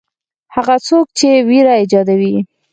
هغه څوک چې وېره ایجادوي.